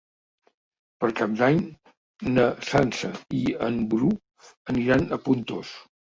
Per Cap d'Any na Sança i en Bru aniran a Pontós.